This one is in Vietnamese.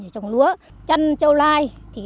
chăn châu lai